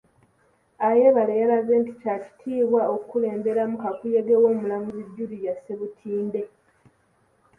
Ayebare yalaze nti kya kitiibwa okukulemberamu kakuyege w'omulamuzi Julia Ssebutinde .